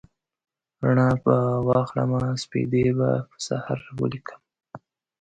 رڼا به واخلمه سپیدې به پر سحر ولیکم